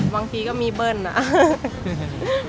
บางทีก็มีเบิ้ลนะ